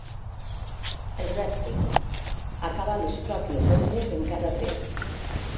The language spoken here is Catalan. El repte: acabar les pròpies rondes encara dret.